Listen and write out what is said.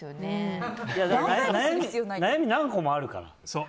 悩みが何個もあるから。